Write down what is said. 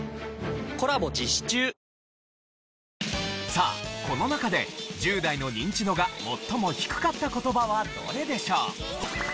さあこの中で１０代のニンチドが最も低かった言葉はどれでしょう？